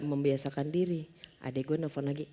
membiasakan diri adik gue nelfon lagi